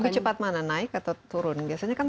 lebih cepat mana naik atau turun